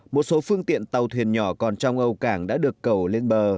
một số phương tiện tàu thuyền nhỏ còn trong âu cảng đã được cầu lên bờ